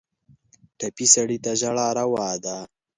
ټپي سړی ته ژړا روا ده.